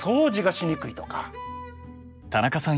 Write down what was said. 田中さん